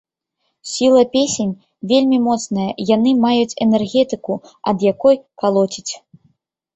Сіла песень вельмі моцная, яны маюць энергетыку, ад якой калоціць.